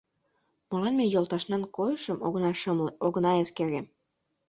Молан ме йолташнан койышым огына шымле, огына эскере?